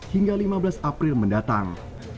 hingga lima belas april mendatang